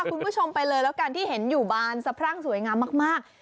คุณผู้ชมไปเลยแล้วกันที่เห็นอยู่บานสะพรั่งสวยงามมาก